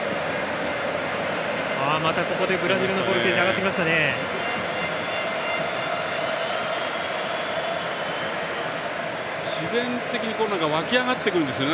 またここでブラジルのボルテージ上がってきましたね。